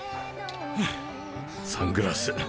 はぁサングラス。